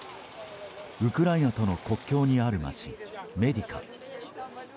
ウクライナとの国境にある街メディカ。